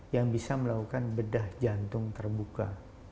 yang bisa melakukan bedah jantung terbuka